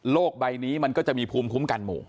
ใบนี้มันก็จะมีภูมิคุ้มกันหมู่